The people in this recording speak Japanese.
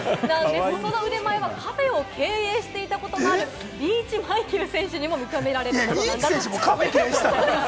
その腕前はカフェを経営していたこともあるリーチ・マイケル選手にも認められるほどなんだそうです。